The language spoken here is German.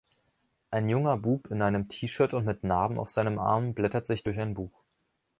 Ein junger Bub in einem Tshirt und mit Narben auf seinem Arm, blättert sich durch ein Buch.